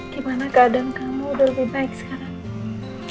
gimana keadaan kamu udah lebih baik sekarang